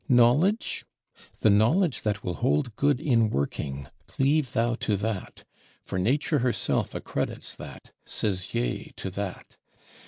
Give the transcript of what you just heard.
Knowledge? The knowledge that will hold good in working, cleave thou to that; for Nature herself accredits that, says Yea to that.